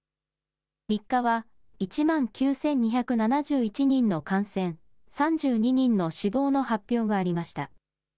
３日は１万９２７１人の感染、３２人の死亡の発表がありました。